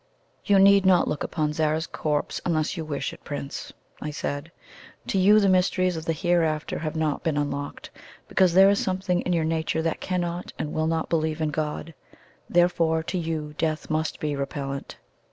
"You need not look upon Zara's corpse unless you wish it, Prince," I said. "To you, the mysteries of the Hereafter have not been unlocked, because there is something in your nature that cannot and will not believe in God. Therefore to you, death must be repellent.